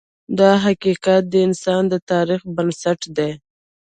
دا حقیقت د انسان د تاریخ بنسټ دی.